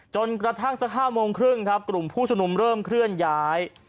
จนกระทั่งสัก๕โมงครึ่งครับกลุ่มผู้ชมนุมเริ่มเคลื่อนย้าย